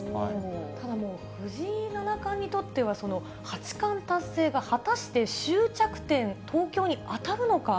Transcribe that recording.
ただもう藤井七冠にとっては、八冠達成が果たして終着点、東京に当たるのか。